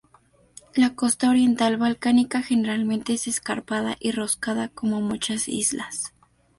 La costa oriental balcánica generalmente es escarpada y rocosa, con muchas islas.